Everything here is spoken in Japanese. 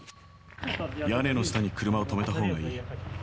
屋根の下に車を止めたほうがいい。